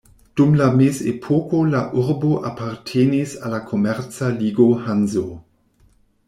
Dum la mezepoko la urbo apartenis al la komerca ligo Hanso.